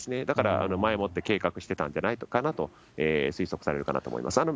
だから前もって計画してたんじゃないかなと推測されるかなと思います。